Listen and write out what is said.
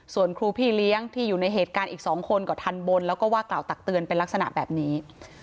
ส่วนครูพี่เลี้ยงที่อยู่ในเหตุการณ์อีก๒คนก็ทันบนแล้วก็ว่ากล่าวตักเตือนเป็นลักษณะแบบนี้